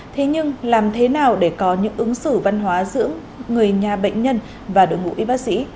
thế nhưng làm thế nào để có những ứng xử văn hóa giữa người nhà bệnh nhân và đội ngũ y bác sĩ